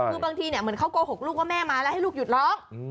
คือบางทีเหมือนเขาโกหกลูกว่าแม่มาแล้วให้ลูกหยุดร้อง